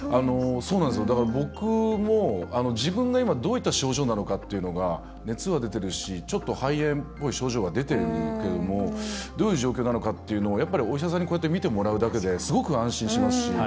だから僕も自分が今どういった症状なのかというのが熱は出てるしちょっと肺炎っぽい症状が出てるけれどもどういう状況なのかというのをお医者さんに診てもらうだけですごく安心しますし。